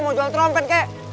mau jual trompet kek